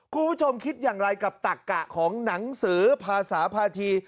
คุณผู้ชมคิดอย่างไรกับตักกะของหนังสือภาษาภาษี